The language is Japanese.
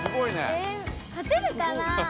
え勝てるかな？